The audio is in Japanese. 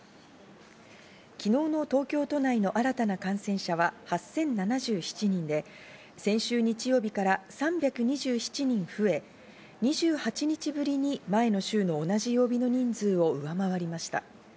昨日の東京都内の新たな感染者は８０７７人で、先週日曜日から３２７人増え、２８日ぶりに前の週の同じ曜日の人数を上回りました。